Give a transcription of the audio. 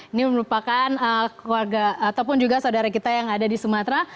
ini merupakan keluarga ataupun juga saudara kita yang ada di sumatera